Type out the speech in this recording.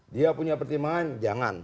dia punya pertimbangan jangan